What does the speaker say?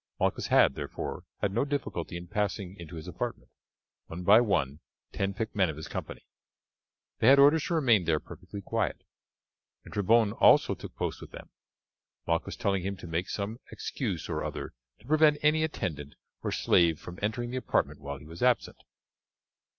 Malchus, had, therefore, had no difficulty in passing into his apartment, one by one, ten picked men of his company. They had orders to remain there perfectly quiet, and Trebon also took post with them, Malchus telling him to make some excuse or other to prevent any attendant or slave from entering the apartment while he was absent.